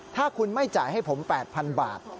ถ้าคุณไม่จ่ายให้ผม๘๐๐๐บาท